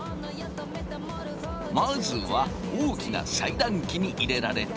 まずは大きな裁断機に入れられて。